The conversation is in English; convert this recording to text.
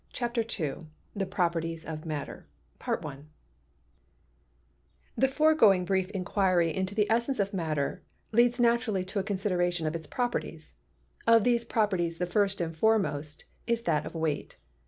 CHAPTER II THE PROPERTIES OF MATTER The foregoing brief inquiry into the essence of matter leads naturally to a consideration of its properties. Of these properties the first and foremost is that of weight.